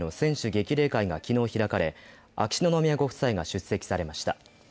激励会が昨日開かれ、秋篠宮ご夫妻が出席されました。